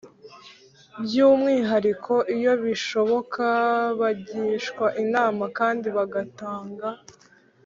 by'umwihariko. iyo bishoboka, bagishwa inama kandi bagatanga